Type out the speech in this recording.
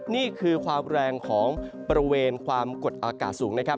นี่คือความแรงของบริเวณความกดอากาศสูงนะครับ